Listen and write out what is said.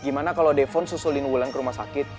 gimana kalo devon susulin bulan ke rumah sakit